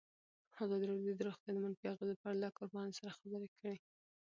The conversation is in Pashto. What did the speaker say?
ازادي راډیو د روغتیا د منفي اغېزو په اړه له کارپوهانو سره خبرې کړي.